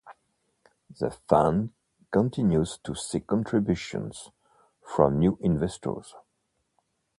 The fund continues to seek contributions from new investors.